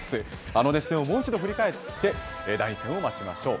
あの熱戦をもう一度振り返って、第２戦を待ちましょう。